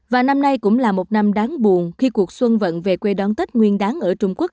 và năm nay cũng là một năm đáng buồn khi cuộc xuân vận về quê đón tết nguyên đáng ở trung quốc